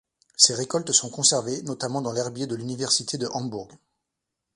Ses récoltes sont conservées notamment dans l'herbier de l'université de Hambourg.